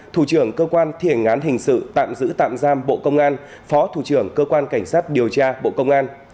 thủ trưởng cơ quan thi hành án hình sự tạm giữ tạm giam bộ công an phó thủ trưởng cơ quan cảnh sát điều tra bộ công an